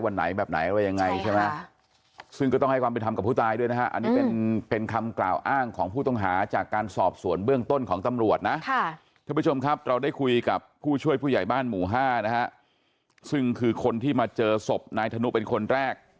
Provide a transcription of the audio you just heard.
นางมิสุกะเมียก็รู้เหตุเขาบอกนะ